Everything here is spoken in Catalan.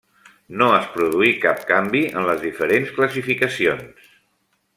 No es produí cap canvi en les diferents classificacions.